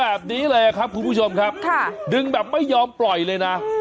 แบบนี้เลยครับคุณผู้ชมครับดึงแบบไม่ยอมปล่อยเลยนะ